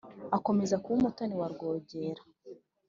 akomeza kuba umutoni wa rwogera,